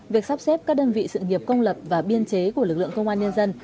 việc sắp xếp các đơn vị sự nghiệp công lập và biên chế của lực lượng công an nhân dân